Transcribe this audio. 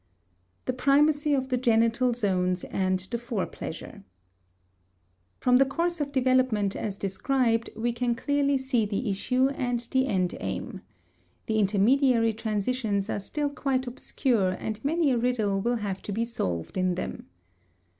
THE PRIMACY OF THE GENITAL ZONES AND THE FORE PLEASURE From the course of development as described we can clearly see the issue and the end aim. The intermediary transitions are still quite obscure and many a riddle will have to be solved in them.